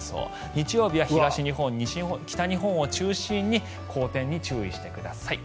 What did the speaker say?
日曜日は東日本、北日本を中心に荒天に注意してください。